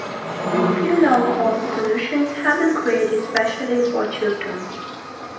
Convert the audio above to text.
Few low-cost solutions have been created specially for children.